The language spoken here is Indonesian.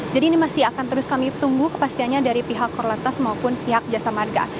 jadi ini masih akan terus kami tunggu kepastiannya dari pihak kor lantas maupun pihak jasa marga